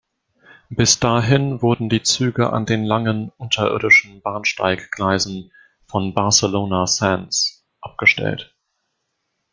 Bis dahin wurden die Züge an den langen unterirdischen Bahnsteiggleisen von "Barcelona Sants" abgestellt.